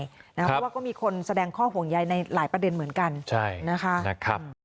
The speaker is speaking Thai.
เพราะว่าก็มีคนแสดงข้อห่วงใยในหลายประเด็นเหมือนกันนะคะ